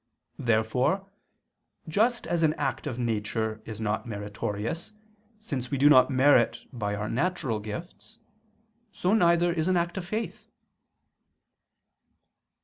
Therefore, just as an act of nature is not meritorious, since we do not merit by our natural gifts, so neither is an act of faith.